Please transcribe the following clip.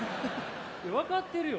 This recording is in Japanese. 分かってるよ。